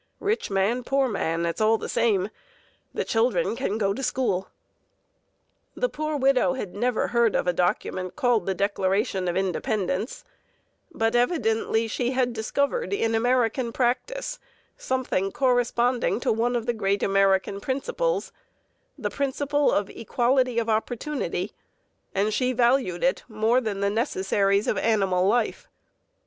Rich man, poor man, it's all the same: the children can go to school." The poor widow had never heard of a document called the Declaration of Independence, but evidently she had discovered in American practice something corresponding to one of the great American principles, the principle of equality of opportunity, and she valued it more than the necessaries of animal life.